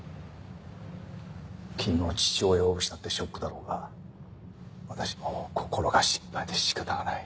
君も父親を失ってショックだろうが私もこころが心配で仕方がない。